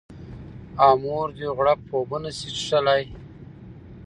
او مور دې غوړپ اوبه نه شي څښلی